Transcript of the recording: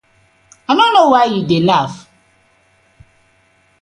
I no no wai yu dey laff.